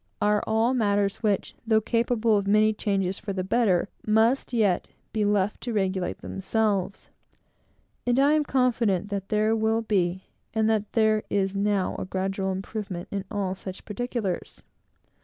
are all matters which, though capable of many changes for the better, must yet be left to regulate themselves. And I am confident that there will be, and that there is now a gradual improvement in all such particulars.